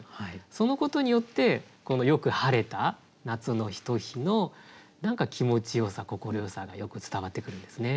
そのことによってこのよく晴れた夏のひと日の何か気持ちよさ快さがよく伝わってくるんですね。